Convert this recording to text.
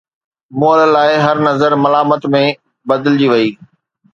مئل لاءِ هر نظر ملامت ۾ بدلجي وئي